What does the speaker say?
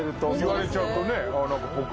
言われちゃうとね。